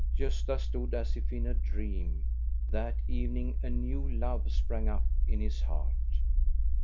Gosta stood as if in a dream. That evening a new love sprang up in his heart.